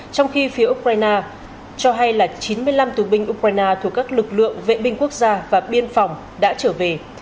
trong khi phía ukraine cho hay là chín mươi năm tù binh ukraine thuộc các lực lượng vệ binh quốc gia và biên phòng đã trở về